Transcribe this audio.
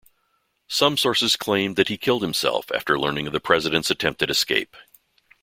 Some sources claimed that he killed himself after learning of the President's attempted escape.